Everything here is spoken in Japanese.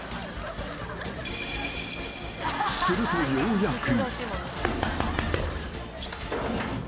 ［するとようやく］